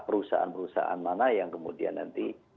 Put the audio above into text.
perusahaan perusahaan mana yang kemudian nanti